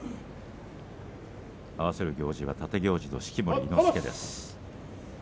合わせる行司は立行司式守伊之助です。